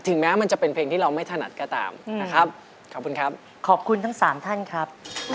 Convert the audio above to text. ถึงแม้มันจะเป็นเพลงที่เราไม่ถนัดก็ตามนะครับขอบคุณครับ